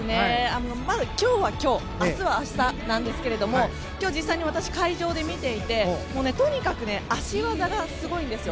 今日は今日明日は明日なんですけども今日、実際に私会場で見ていてとにかく足技がすごいんですよ。